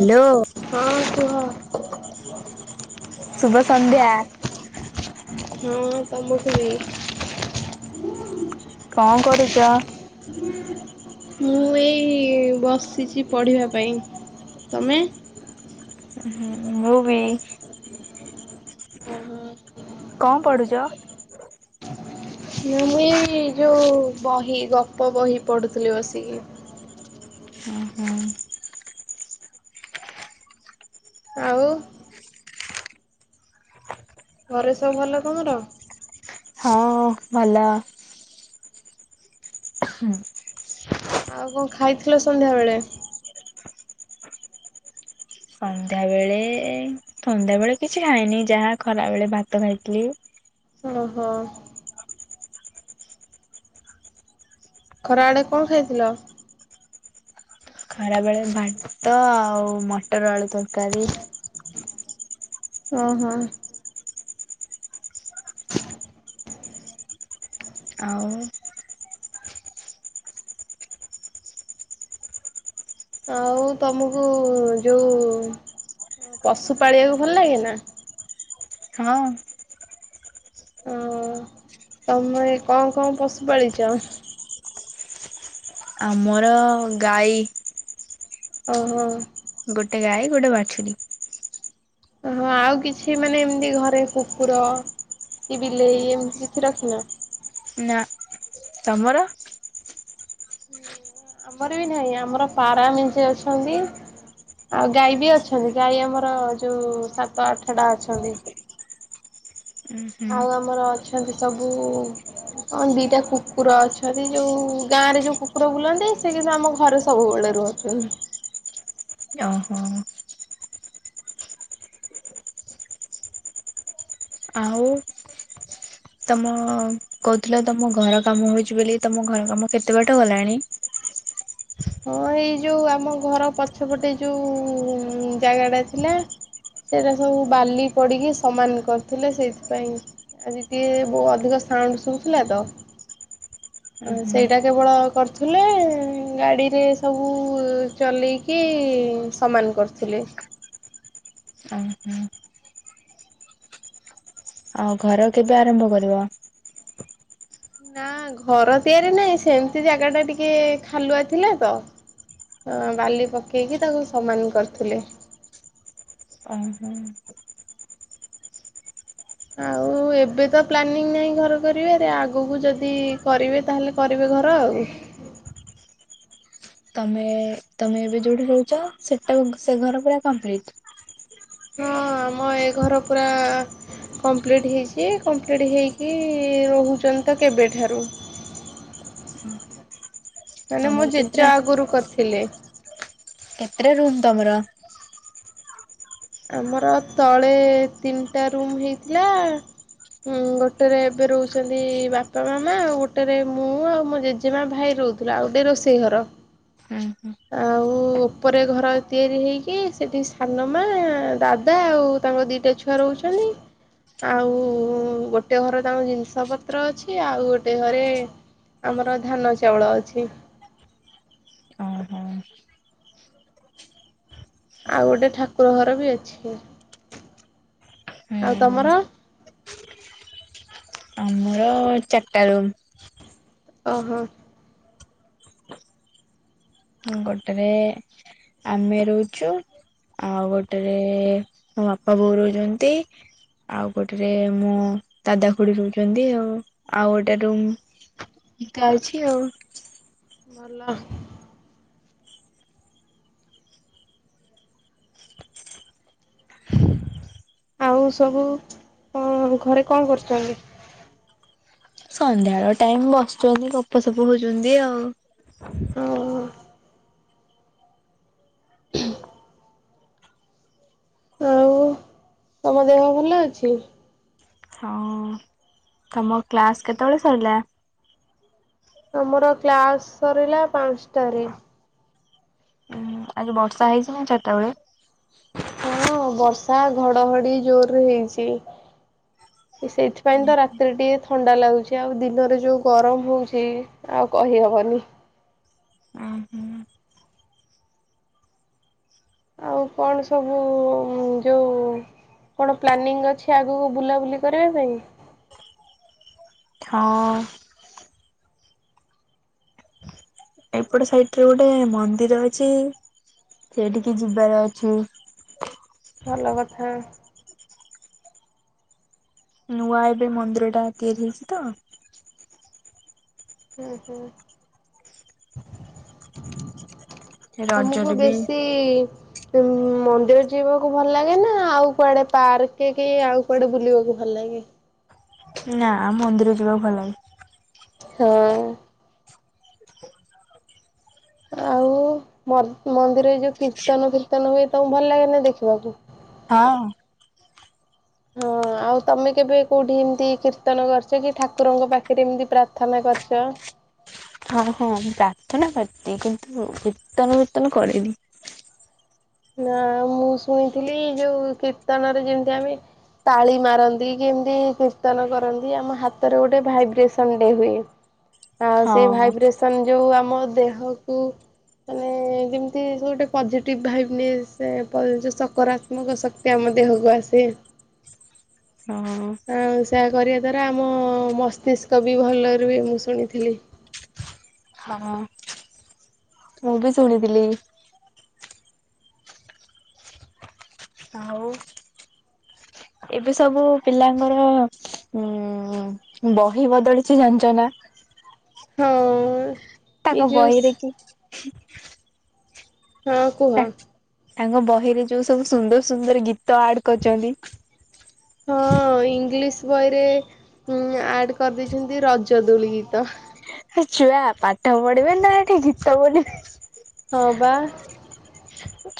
Hello ହଁ କୁହ ଶୁଭ ସଂନ୍ଧ୍ୟା। ହଁ ତମକୁ ବି କଣ କରୁଛ? ମୁଁ ଏଇ ବସିଛି ପଢ଼ିବା ପାଇଁ। ତମେ? ହଁ ମୁଁ ବି। କଣ ପଢୁଛ ମୁଁ ଏଇ ଯୋଉ ବହି ଗପ ବହି ପଢୁଥିଲି ବସିକି। ଓ ହୋ ଆଉ ଘରେ ସବୁ ଭଲ ତମର। ହଁ ଭଲ ହୁଁ ଆଉ କଣ ଖାଇଥିଲ ସନ୍ଧ୍ୟାବେେଳେ ସନ୍ଧ୍ୟାବେଳେ ସନ୍ଧ୍ୟା ବେଳେ କିଛି ଖାଇନି ଯାହା ଖରା ବେଳେ ଭାତ ଖାଇଥିଲି। ଓ ହୋ ଖରା ବେଳେ କଣ ଖାଇଥିଲ। ଖରା ବେଳେ ଭାତ ଆଉ ମଟର ଆଳୁ ତରକାରୀ ଓଁ ହୋ ଆଉ ଆଉ ତମକୁ ଯୋଉ ପଶୁ ପାଳିବାକୁ ଭଲ ଲାଗେ ନା ହଁ ଓ ତମେ କଣ କଣ ପଶୁ ପାାଳିଛ? ଆମର ଗାଈ ଓହୋ ଗୋଟେ ଗାଈ ଗୋଟେ ବାଛୁରୀ। ଓହଁ ଆଉ କିଛି ମାନେ ଏମିତି ଘରେ କୁକୁର କି ବିଲେଇ ଏମିତି କିଛି ରଖିନ। ନା ତମର ଆମର ବି ନାହିଁ ଆମର ପାରା ମେଚେ ଅଛନ୍ତି। ଆଉ ଗାଈ ବି ଅଛନ୍ତି ଗାଈ ଆମର ଯୋଉ ସାତ ଆଠଟା ଅଛନ୍ତି। ହୁଁ [inaudible] ଆଉ ଆମର ଅଛନ୍ତି ସବୁ ହଁ ଦିଟା କୁକୁର ଅଛନ୍ତି ଯୋଉ ଗାଁ ରେ ଯୋଉ କୁକୁର ବୁଲନ୍ତି ସେ କିନ୍ତୁ ଆମ ଘର ସବୁବେଳେ ଓହୋ ଆଉ ତମ କହୁଥିଲ ତମ ଘର କାମ ହଉଛି ବୋଲି ତମ ଘର କାମ କେତେ ବାଟ ଗଲାଣି। ହଁ ଏଇ ଯୋଉ ଆମ ଘର ପଛପଟେ ଯୋଉ ଜାଗା ଟା ଥିଲା। ସେଇଟା ସବୁ ବାଲି ପଡିକି ସମାନ କରିଥିଲେ ସେଇଥିପାଇଁ ଆଜି ଟିକେ ବହୁ ଅଧିକ ସାଉଣ୍ଡ ଶୁଭୁଥିଲା ତ ଉଁ ହୁଁ ସେଇଟା କେବଳ କରୁଥିଲେ ଗାଡି ରେ ସବୁ ଚଲେଇକି ସମାନ କରୁଥିଲେ। ଓହୋ ଆଉ ଘର କେବେ ଆରମ୍ଭ କରିବ? ନା ଘର ତିଆରି ନାହିଁ ସେମିତି ଜାଗା ଟା ଟିକେ ଖାଲୁଆ ଥିଲା ତ। ଅ ବାଲି ପକେଇକି ତାଙ୍କୁ ସମାନ କରିୁଥିଲେ ଓ ହୋ ଆଉ ଏବେ ତ ପ୍ଲାନିଂ ନାହିଁ ଘର କରିବାରେ ଆଗକୁ ଯଦି କରିବେ ତାହେଲେ କରିବେ ଘର ଆଉ। ତମେ ତମେ ଏବେ ଯୋଉଠି ରହୁଛ ସେଇଟା ସେ ଘର ପୁରା କମ୍ପ୍ଲିଟ୍। ହଁ ଆମ ଏ ଘର ପୂରା କମ୍ପ୍ଲିଟ୍ ହେଇଛି କମ୍ପ୍ଲିଟ ହେଇକି ରହୁଚନ୍ତି ତ କେବେଠାରୁ। ହୁ [inaudible] ମାନେ ମୋ ଜେଜେ ଆଗରୁ କରିଥିଲେ। କେତେଟା ରୁମ୍ ତମର ଆମର ତଳେ ତିନିଟା ରୁମ୍ ହେଇଥିଲା ଉଁ ଗୋଟେରେ ଏବେ ରହୁଛନ୍ତି ବାପା ମାମା ଆଉ ଗୋଟେରେ ମୁଁ ଆଉ ମୋ ଜେଜେମା ଭାଇ ରହୁ ଯ ଆଉ ଗୋଟେ ରୋଷେଇ ଘର। [inaudible] ଆଉ ଉପରେ ଘର ତିଆରି ହେଇକି ସେଠି ସାନମା ଦାଦା ଆଉ ତାଙ୍କ ଦିଟା ଛୁଆ ରହୁଚନ୍ତି। ଆଉ ଗୋଟେ ଘର ତାଙ୍କ ଜିନିଷ ପତ୍ର ଅଛି ଆଉ ଗୋଟେ ଘରେ ଆମର ଧାନ ଚାଉଳ ଅଛି। ଓହୋ। ଆଉ ଗୋଟେ ଠାକୁର ଘର ବି ଅଛି ଆଉ ହୁଁ ତମର। ଆମର ହ ଚାର ଟା ରୁମ୍। ଓ ହୋ। ଗୋଟେରେ ଆମେ ରହୁଚୁ। ଆଉ ଗୋଟେରେ ମୋ ବାପା ବୋଉ ରହୁଚନ୍ତି। ଆଉ ଗୋଟେରେ ମୋ ଦାଦା ଖୁଡି ରହୁଛନ୍ତି ଆଉ ଆଉ ଗୋଟେ ରୁମ୍ ଫାଙ୍କା ଅଛି ଆଉ। ଭଲ। ଆଉ ସବୁ ଅ ଘରେ କଣ କରୁଚନ୍ତି। ସନ୍ଧ୍ୟାଳ ଟାଇମ୍ ବସିଚନ୍ତି ଗପ ସପ ହୋଉଚନ୍ତି ଆଉ। ଓ ହୋ। ଆଉ ତମ ଦେହ ଭଲ ଅଛି। ହଁ ତମ କ୍ଲାସ୍ କେତେବେଳେ ସରିଲା। ତମର କ୍ଲାସ ସରିଲା ପାଁଶଟାରେ। ଉୁଁ ଆଜି ବର୍ଷା ହେଇଛି ନା ଚାରିଟା ବେଳେ। ହଁ ବର୍ଷା ଘଡଘଡି ଜୋର ରେ ହେଇଚି। ସେଇଥିପାଇଁ ତ ରାତ୍ରେ ଟିକେ ଥଣ୍ଡା ଲାଗୁଚି ଆଉ ଦିନରେ ଯୋଉ ଗରମ ହଉଚି ଆଉ କହିହବନି। ଉ ହୁଁ। ଆଉ କଣ ସବୁ ଯୋଉ କଣ ପ୍ଲାନିଂ ଅଛି ଆଗକୁ ବୁଲାବୁଲି କରିବା ପାଇଁ। ହଁ। ଏପଟେ ସାଇଟରେ ଗୋଟେ ମନ୍ଦିର ଅଛି। ସେଇଠିକି ଯିବାର ଅଛି। ଭଲ କଥା। ନୂଆ ଏବେ ମନ୍ଦିର ଟା ତିଆରି ହେଇଛି ତ। ଓ ହୋ ତମକୁ ରଜରେ ବି ବେଶୀ ଇ ଉଁ ମନ୍ଦିର ଯିବାକୁ ଭଲ ଲାଗେ ନା ଆଉ କୁଆଡେ ପାର୍କ କି ଆଉ କୁଆଡେ ବୁଲିବାକୁ ଭଲ ଲାଗେ। ନା ମନ୍ଦିର ଯିବାକୁ ଭଲ ଲାଗେ। ହଁ। ଆଉ ମ ମନ୍ଦିରରେ ଯୋଉ କୀର୍ତ୍ତନ ଫୀର୍ତ୍ତନ ହୁଏ ତମକୁ ଭଲ ଲାଗେନା ଦେଖିବାକୁ। ହଁ। ହଁ ଟ ଆଉ ତମେ କେବେ କୋଉଠି ଏମିତି କୀର୍ତ୍ତନ କରିଚ କି ଠାକୁରଙ୍କ ପାଖରେ ଏମିତି ପ୍ରାର୍ଥନା କରିଚ। ହଁ ହଁ ପ୍ରାର୍ଥନା କରତି କିନ୍ତୁ କୀର୍ତ୍ତନ ବିର୍ତ୍ତନ କରିନି। ନା ମୁଁ ଶୁଣିଥିଲି ଯୋଉ କୀର୍ତ୍ତନରେ ଯେମିତି ଆମେ ତାଳି ମାରନ୍ତି କି ଏମିତି କୀର୍ତ୍ତନ କରନ୍ତି ଆମ ହାତରେ ଗୋଟେ ଭାଇବ୍ରେସନ ଡେ ହୁଏ। ହ ଆଉ ସେଇ ଭାଇବ୍ରେସନ ଯୋଉ ଆମ ଦେହ ମାନେ ଯେମତି ଗୋଟେ ପଜିଟିଭ ଭାଇ ଯେ ସେ ସକାରାତ୍ମକ ଶକ୍ତି ଆମ ଦେହକୁ ଆସେ। ହୁଁ ଉ ଆଉ ସେଆ କରିବା ଦ୍ୱାରା ଆମ ମସ୍ତିଷ୍କ ବି ଭଲ ରୁହେ ମୁଁ ଶୁଣିଥିଲି। ହଁ ମୁଁ ବି ଶୁଣିଥିଲି। ଆଉ ଏବେ ସବୁ ପିଲାଙ୍କର ଉଁ ବହି ବଦଳିଛି ଜାଣିଛ ନା? ହଁ ଅ ତାଙ୍କ ବହିରେ କି ହଁ କୁହ? ତାଙ୍କ ବହିରେ ଯୋଉ ସବୁ ସୁନ୍ଦର ସୁନ୍ଦର ଗୀତ ଆଡ କରିଛନ୍ତି। ହଁ ଇଂଲିଶ ବହିରେ ଆଡ କରିଦେଇଛନ୍ତି ରଜ ଦୋଳି ଗୀତ। ଛୁଆ ପାଠ ପଢିବେ ନା ଏଠି ଗୀତ ବୋଲିବେ। ହଁ ବା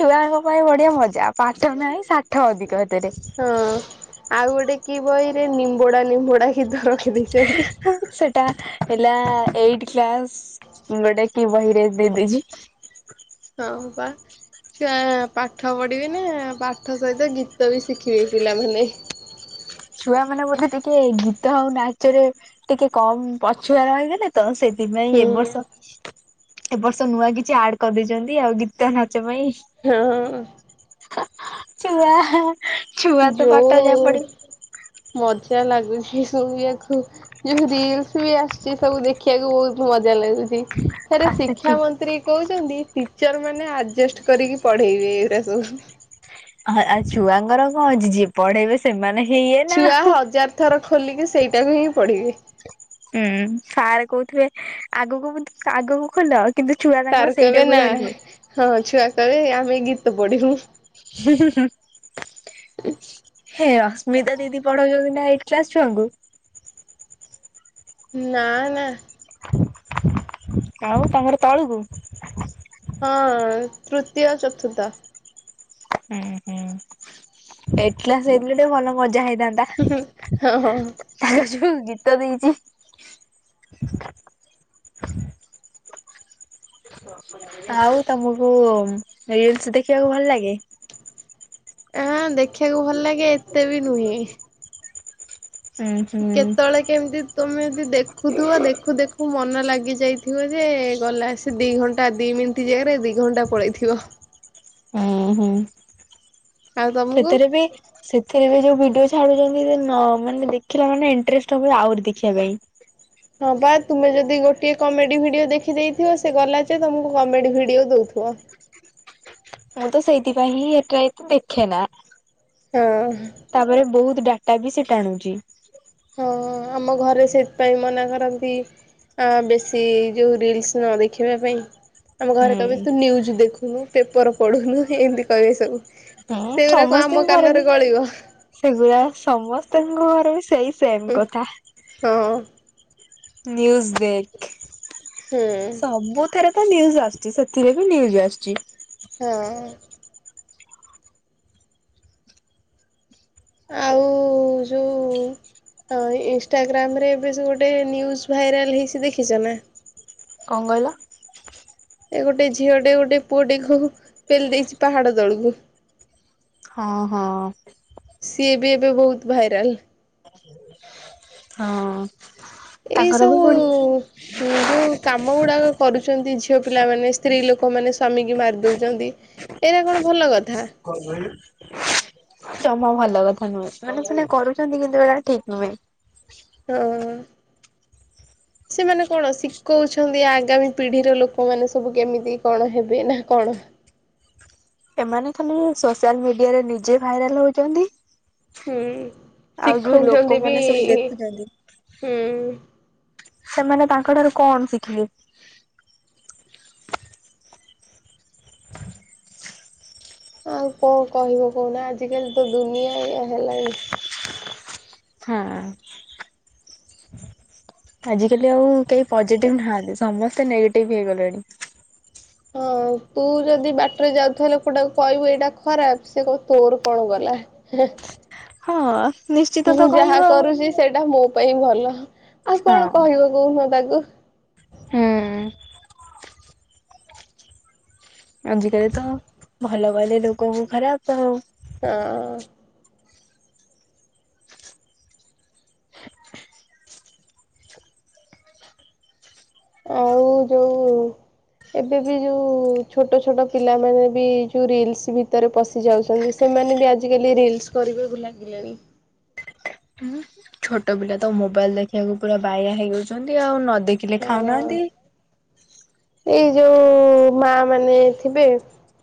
ଛୁଆଙ୍କ ପାଇଁ ବଢିଆ ମଜା, ପାଠ ନାହିଁ ଷାଠ ଅଧିକ ହେଥିରେ। ହଁ, ଆଉ ଗୋଟେ କି ବହିରେ ନିମ୍ବୁଡା ନିମ୍ବୁଡା ଗୀତ ରଖି ଦେଇଛନ୍ତି। ସେଟା ହେଲା ଏଇଟ କ୍ଲାସ ଗୋଟେ କି ବହିରେ ଦେଇଦେଇଛି। ହଁ ପା ଛୁଆ ପାଠ ପଢ଼ିବେ ନା, ପାଠ ସହିତ ଗୀତ ବି ଶିଖିବେ ପିଲାମାନେ। ଛୁଆ ମାନେ ବୋଧେ ଟିକେ ଗୀତ ଆଉ ନାଚରେ ଟିକେ କମ ପଛୁଆ ରଇଗଲେ ତ, ସେ ସେ ପାଇଁ ଇ ଏ ହୁଁ ବର୍ଷ ଏବ ବର୍ଷ ନୂଆ କିଛି ଆଡ କରିଦେଇଛନ୍ତି ଆଉ, ଗୀତ ନାଚ ପାଇଁ ହଁ ଅଁ ଛୁଆ ଛୁଆ ତ ପାଟ ଯା ଯୋଉ ପଡିବ? ମଜା ଲାଗୁଛି ଶୁଣିବାକୁ। ଯୋଉ ରିଲସ ବି ଆସୁଛି ସବୁ ଦେଖିବାକୁ ବହୁତ ମଜା ଲାଗୁଛି। ଫେରେ ପାଠ ଛୁ ଶିକ୍ଷା ମନ୍ତ୍ରୀ କହୁଛନ୍ତି ଟିଚର ମାନେ ଆଡଜଷ୍ଟ କରିକି ପଢେଇବେ ଏଗୁଡା ସବୁ। ଆଉ ଛୁଆଙ୍କର କଣ ଅଛି, ଯିଏ ପଢେଇବେ ସେମାନେ ହେଇଏ ନା ଛୁଆ ଆଉ। ହଜାର ଥର ଖୋଲିକି ସେଇଟାକୁ ହିଁ ପଢ଼ିବେ। ହୁଁ, ସାର୍ କହୁଥିବେ ଆଗକୁ ଆଗକୁ ଖୋଲ। କିନ୍ତୁ ଛୁଆ ସାର୍ ତାଙ୍କର କହିବେ ସେଇଟାକୁ ନା ଧରିକି ବଇ ହଁ ଛୁଆ କହିବେ, ଆମେ ଗୀତ ପଢିବୁ। ହୁଁ ହୁଁ ହୁଁ ହେ ଅସ୍ମିତା ଦିଦି ପଢାଉଛନ୍ତି ନା ଏଇଟ କ୍ଲାସ ଛୁଆଙ୍କୁ? ନା ନା। ଆଉ ତାଙ୍କର ତଳକୁ। ହଁ ତୃତୀୟ ଚତୁର୍ଥ ହୁଁ ହୁଁ, ଏଇଟ କ୍ଲାସ ହେଇଥିଲେ, ଟିକେ ଭଲ ମଜା ହେଇଥାନ୍ତା। ହୁଁ ହୁଁ ହଁ ହଁ ହଁ ତାର ଯୋଉ ଗୀତ ଦେଇଛି? ଆଉ ତମକୁ ରିଲସ ଦେଖିବାକୁ ଭଲ ଲାଗେ? ହଁ ଦେଖିବାକୁ ଭଲ ଲାଗେ, ଏତେ ବି ନୁହେଁ। ଉଁ ହୁଁ କେତେବେଳେ କେମିତି ତୁମେ ଯଦି ଦେଖୁଥିବ, ଦେଖୁ ଦେଖୁ ମନ ଲାଗି ଯାଇଥିବ ଯେ ଗଲା ଆସ ସେ ଦି ଘଣ୍ଟା ଦି ମିନିଟ୍ ଜାଗାରେ ଦି ଘଣ୍ଟା ପଳେଇଥିବ ହୁଁ ହୁଁ, ଆଉ ତମକୁ? ସେଥିରେ ବି ସେଥିରେ ବି ଯୋଉ ଭିଡିଓ ଛାଡୁଛନ୍ତି ନ ମାନେ ଦେଖିଲା ମାନେ ଇଣ୍ଟରେଷ୍ଟ ହବ ଆହୁରି ଦେଖିବା ପାଇଁ। ହଁ ପା, ତୁମେ ଯଦି ଗୋଟିଏ କମେଡି ଭିଡିଓ ଦେଖିଦେଇଥିବ ସେ ଗଲା ଯେ ତମକୁ କମେଡି ଭିଡିଓ ଦଉଥିବ। ମୁଁ ତ ସେଇଥିପାଇଁ ହିଁ ଏଟା ଏତେ ଦେଖେ ନା। ହଁ ଅ ତାପରେ ବହୁତ ଡାଟା ବି ସେ ଟାଣୁଚି। ହଁ ଆମ ଘରେ ସେଥିପାଇଁ ମନା କରନ୍ତି ଆ ବେଶୀ ଯୋଉ ରିଲ୍ସ ନ ଦେଖିବା ପାଇଁ। ଆମ ଘରେ କହିବେ ହୁଁ। ତୁ ନ୍ୟୁଜ ଦେଖୁନୁ, ପେପର ପଢୁନୁ ଏମତି କହିବେ ସବୁ। ହୁଁ ଏଗୁରା କଣ ସମସ୍ତଙ୍କ ଆମ ଘରେ ବି କାନରେ ଗଳିବ। ସେଗୁଡା ସମସ୍ତଙ୍କ ଘର ବି ସେଇ ସେମ କଥା। ହଁ ନ୍ୟୁଜ ଦେଖ୍। ହୁଁ। ସବୁଥରେ ତ ନ୍ଯୁଜ ଆସିଛି ସେଥିରେ ବି ନ୍ୟୁଜ ଆସିଛି। ହଁ। ଆଉ ଯୋଉ ଇନଷ୍ଟାଗ୍ରାମ ରେ ଏବେ ଯୋଉ ଗୋଟେ ନ୍ୟୁଜ ଭାଇରାଲ ହେଇଚି ଦେଖିଛ ନା? କଣ କହିଲ? ଏ ଗୋଟେ ଝିଅ ଟେ ଗୋଟେ ପୁଅଟେକୁ ପେଲି ଦେଇଛି ପାହାଡ ତଳକୁ। ହଁ ହଁ। ସିଏ ବି ଏବେ ବହୁତ ଭାଇରାଲ। [inaudible] ହଁ। ଏଇ ତାଙ୍କର ସବୁ ବି ପୁଣି ଉ ଯୋଉ କାମ ଗୁଡ଼ାକ କରୁଛନ୍ତି ଝିଅ ପିଲାମାନେ, ସ୍ତ୍ରୀ ଲୋକମାନେ ସ୍ୱାମୀକୁ ମାରିଦଉଛନ୍ତି। ଏଇଟା କଣ ଭଲ କଥା? [inaudible] ଯମା ଭଲ କଥା ନୁହେଁ ମାନେ ସିନା କରୁଛନ୍ତି କିନ୍ତୁ ଏଇଟା ଠିକ ନୁହେଁ। ଓ ଅ। [inaudible] ସେମାନେ କଣ ଶିଖଉଛନ୍ତି ଆଗାମୀ ପିଢିର ଲୋକମାନେ ସବୁ କେମିତି କଣ ହେବେ ନା କଣ? ଏମାନେ ଖାଲି ସୋସିଆଲ ମିଡିଆ ରେ ନିଜେ ଭାଇରାଲ ହଉଛନ୍ତି। ହୁଁ ଆଉ ଯୋଉ ଶିଖଉଛନ୍ତି ବି ଲୋକମାନେ ସବୁ ଦେଖୁଛନ୍ତି। ହୁଁ। ସେମାନେ ତାଙ୍କ ଠାରୁ କଣ ଶିଖିଲେ? ଆଉ କଣ କହିବ କହୁନା ଆଜିକାଲି ତ ଦୁନିଆ ଏଇଆ ହେଲାଣି। ହଁ। ଆଜିିକାଲି ଆଉ କେହି ପଜେଟିଭ ନାହାନ୍ତି ସମସ୍ତେ ନେଗେଟିଭ ହେଇଗଲେଣି। ହଁ ତୁ ଯଦି ବାଟରେ ଯାଉଥବା ଲୋକଟାକୁ କହିବୁ ଏଇଟା ଖରାପ ସେ କହିବ ତୋର କଣ ଗଲା। ହେ ହେ। ହଁ। ନିଶ୍ଚିତ ତ ମୁଁ କହିବ ଯାହା ଆଉ। କରୁଛି ସେଇଟା ମୋ ପାଇଁ ଭଲ, ଆଉ କଣ ହଁ କହିବ କହୁନ ତାକୁ? ହୁଁ। ଆଜିକାଲି ତ ଭଲ କହିଲେ ଲୋକଙ୍କୁ ଖରାପ ଆଉ। ହଁ। ଆଉ ଯୋଉ ଏବେ ବି ଯୋଉ ଛୋଟ ଛୋଟ ପିଲାମାନେ ବି ଯୋଉ ରିଲସ ଭି ଭିତରେ ପଶି ଯାଉଛନ୍ତି ସେମାନେ ବି ଆଜିକାଲି ରିଲସ କରିବାକୁ ଲାଗିଲାଣିି। ଛୋଟ ପିଲା ତ ମୋବାଇଲ ଦେଖିବାକୁ ପୁରା ବାୟା ହେଇଯାଉଛନ୍ତି ଆଉ ନ ଦେଖିଲେ ହଁ ଖାଉନାହାନ୍ତି। ଏଇ ଯୋଉ ମା ମାନେ ଥିବେ।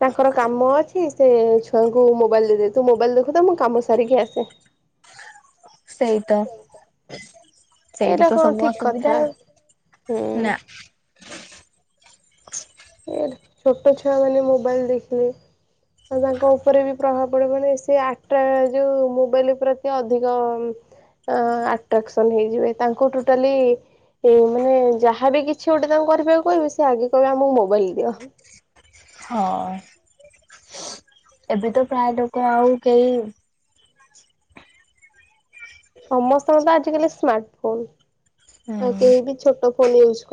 ତାଙ୍କର କାମ ଅଛି ସେ ଛୁଆଙ୍କୁ ମୋବାଇଲ ଦେଇଦେବେ ତୁ ମୋବାଇଲ ଦେଖୁଥା ମୁଁ କାମ ସାରିକି ଆସେ। ସେଇ ତ ସେଇଠି ଏଇଟା ତ କଣ ସବୁ ଠିକ କଥା ଅସୁବିଧା ଆଉ। ହୁଁ ନା। ଏ ଛୋଟ ଛୁଆ ମାନେ ମୋବାଇଲ ଦେଖିଲେ। ଆଉ ତାଙ୍କ ଉପରେ ବି ପ୍ରଭାବ ପଡ଼ିବନି ସେ ଆଟ୍ରା ଯୋଉ ମୋବାଇଲ ପ୍ରତି ଅଧିକ ଆଟ୍ରାକ୍ସନ୍ ହେଇଯିବେ ତାଙ୍କୁ ଟୋଟାଲି ଏଇ ମାନେ ଯାହାବି କିଛି ଗୋଟେ ତାଙ୍କୁ କରିବାକୁ କହିବେ ସେ ଆଗେ କହିବେ ଆମକୁ ମୋବାଇଲ ଦିଅ। ହଁ। ଏବେ ତ ପ୍ରାୟ ଲୋକ ଆଉ କେହି ସମସ୍ତଙ୍କ ତ ଆଜିକାଲି ସ୍ମାର୍ଟ ଫୋନ ଆଉ ହୁଁ କେହି ବି ଛୋଟ ଫୋନ ୟୁଜ୍ କର